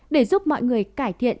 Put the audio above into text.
để giúp mọi người cải thiện